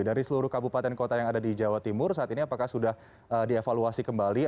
dari seluruh kabupaten kota yang ada di jawa timur saat ini apakah sudah dievaluasi kembali